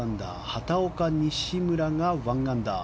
畑岡、西村が１アンダー。